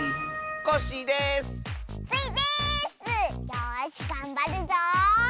よしがんばるぞ！